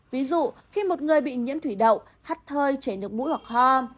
ví dụ khi một người bị nhiễm thủy đậu thắt thơi chảy nước mũi hoặc ho